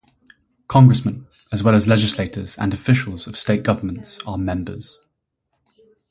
Congressmen, as well as legislators and officials of state governments are members.